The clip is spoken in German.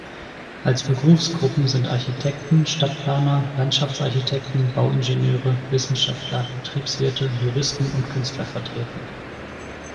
Als Berufsgruppen sind Architekten, Stadtplaner, Landschaftsarchitekten, Bauingenieure, Wissenschaftler, Betriebswirte, Juristen und Künstler vertreten.